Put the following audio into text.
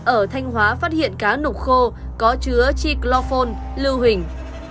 ở thanh hóa phát hiện cá nục khô có chứa chicl lưu hình